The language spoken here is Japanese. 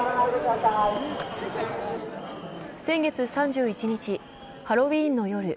先月３１日、ハロウィーンの夜。